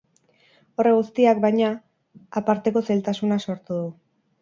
Horrek guztiak, baina, aparteko zailtasuna sortu du.